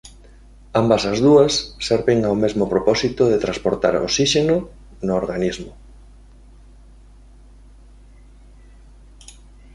Ambas as dúas serven ao mesmo propósito de transportar oxíxeno no organismo.